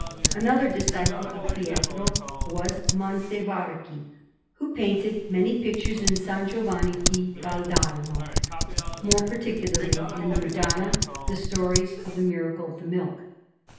Another disciple of Pietro was Montevarchi, who painted many pictures in San Giovanni di Valdarno; more particularly, in the Madonna, the stories of the Miracle of the Milk.